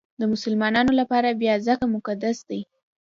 د مسلمانانو لپاره بیا ځکه مقدس دی.